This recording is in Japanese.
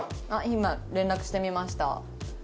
今連絡してみました。